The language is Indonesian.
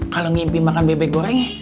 kalau ngimpi makan bebek goreng